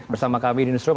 bersama kami di newsroom